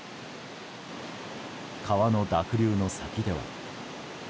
川の濁流の先では。